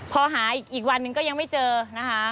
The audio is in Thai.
พอหาอีกวันหนึ่งก็ยังไม่เจอนะคะ